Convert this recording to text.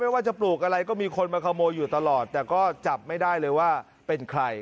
ว่าจะปลูกอะไรก็มีคนมาขโมยอยู่ตลอดแต่ก็จับไม่ได้เลยว่าเป็นใคร